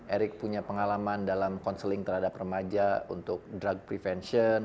eric punya pengalaman dalam konseling terhadap remaja untuk drug prevention